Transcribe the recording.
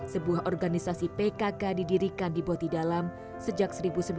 sebuah organisasi pkk didirikan di boti dalam sejak seribu sembilan ratus tujuh puluh empat